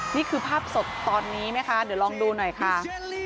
นี่คือภาพสดตอนนี้ไหมคะเดี๋ยวลองดูหน่อยค่ะ